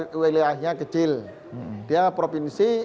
ke wilayahnya kecil dia provinsi